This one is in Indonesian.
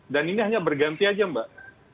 dan ini hanya berganti aja mbak